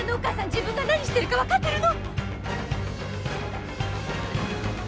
自分が何してるか分かってるの！？